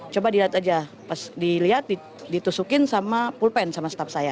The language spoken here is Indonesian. coba dilihat aja pas dilihat ditusukin sama pulpen sama staff saya